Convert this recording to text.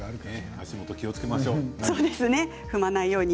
足元気をつけましょう。